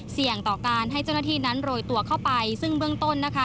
เสี่ยงต่อการให้เจ้าหน้าที่นั้นโรยตัวเข้าไปซึ่งเบื้องต้นนะคะ